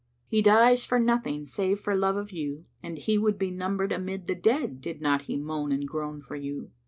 He dies for nothing save for love of you, and he would be * Numbered amid the dead did not he moan and groan for you.